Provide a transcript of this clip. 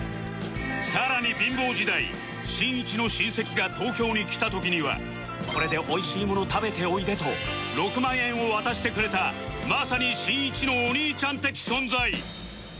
さらに貧乏時代しんいちの親戚が東京に来た時には「これで美味しいもの食べておいで」と６万円を渡してくれたまさにしんいちのお兄ちゃん的存在